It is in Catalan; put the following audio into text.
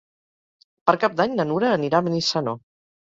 Per Cap d'Any na Nura anirà a Benissanó.